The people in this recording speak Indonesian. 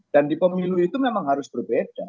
dan di pemilu itu memang harus berbeda